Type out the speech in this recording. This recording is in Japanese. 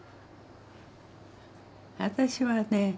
私はね